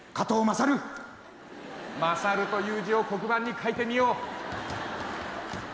「優」という字を黒板に書いてみよう。